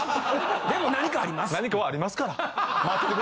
でも何かありますって。